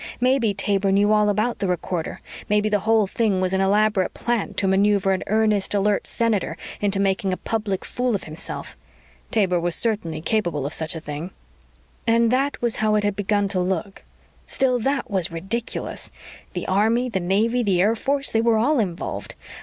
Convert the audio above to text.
Maybe Taber knew all about the recorder. Maybe the whole meeting was an elaborate plant to maneuver an earnest, alert senator into making a public fool of himself. Taber was certainly capable of such a thing. And that was how it had begun to look. Still, that was ridiculous. The Army, the Navy, the Air Force they were all involved.